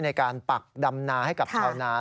ในการปักดำนาให้กับชาวนา